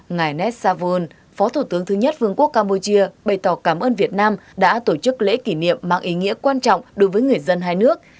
ngài nét savoon phó thủ tướng thứ nhất vương quốc campuchia bày tỏ cảm ơn việt nam đã tổ chức lễ kỷ niệm mang ý nghĩa quan trọng đối với người dân hai nước